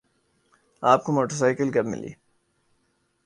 آپ کو motorcycle کب ملی؟